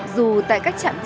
dù tại các trạm đường ngang